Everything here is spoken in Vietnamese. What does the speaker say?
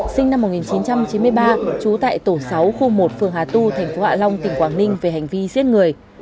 sinh năm một nghìn chín trăm chín mươi ba trú tại tổ sáu khu một phường hà tu tp hạ long tỉnh quảng ninh về hành vi giết người